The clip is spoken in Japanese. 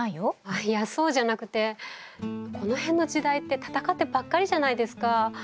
あっいやそうじゃなくてこの辺の時代って戦ってばっかりじゃないですか。